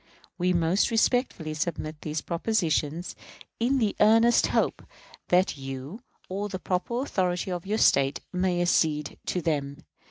We most respectfully submit these propositions, in the earnest hope that you, or the proper authority of your State, may accede to them.